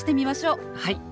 はい。